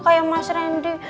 kayak mas randy